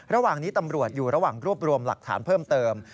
ระหว่างนี้ตำรวจอยู่ระหว่างรวบรวมหลักฐานเพิ่มเติม